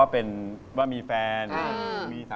เพราะว่ามีแฟนครอบครัวมีลูก